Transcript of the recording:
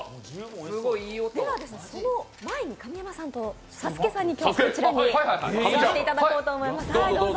その前に神山さんとさすけさんにこちらに座っていただこうと思います。